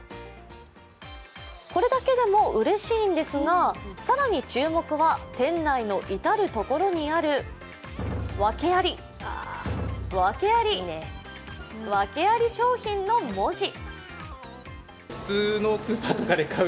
これだけでもうれしいんですが、更に注目は店内の至る所にあるワケあり、ワケあり、ワケあり商品の文字。